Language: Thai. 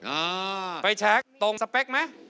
อ่าไฟแชคตรงสเปคไหม